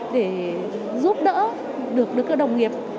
để giúp đỡ được các đồng nghiệp